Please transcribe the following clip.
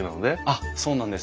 あっそうなんです。